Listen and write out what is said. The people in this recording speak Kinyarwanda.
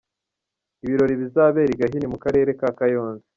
Ibirori bizabera i Gahini mu Karere ka Kayonza.